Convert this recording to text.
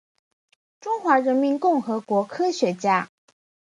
中华人民共和国科学家。